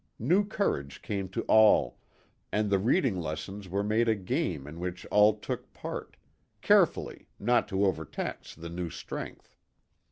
New courage came to all, and the reading lessons were made a game in which all took part carefully, not to overtax the new strength.